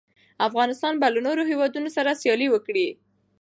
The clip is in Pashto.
افغانستان به له نورو هېوادونو سره سیالي وکړي.